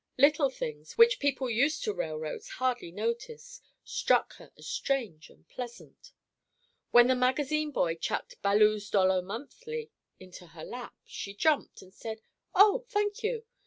Little things, which people used to railroads hardly notice, struck her as strange and pleasant. When the magazine boy chucked "Ballou's Dollar Monthly" into her lap, she jumped, and said, "Oh, thank you!"